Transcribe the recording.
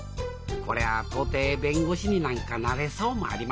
こりゃあ到底弁護士になんかなれそうもありませんね